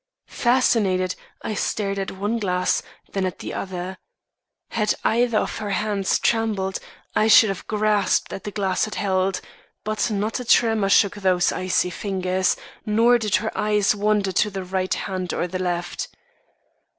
"Fascinated, I stared at one glass, then at the other. Had either of her hands trembled, I should have grasped at the glass it held; but not a tremor shook those icy fingers, nor did her eyes wander to the right hand or to the left.